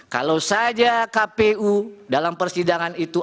kalau saja kpu dalam persidangan itu